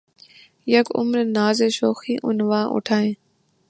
یک عمر نازِ شوخیِ عنواں اٹھایئے